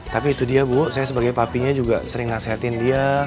tapi itu dia bu saya sebagai papinya juga sering nasehatin dia